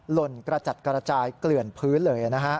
หล่นกระจัดกระจายเกลื่อนพื้นเลยนะฮะ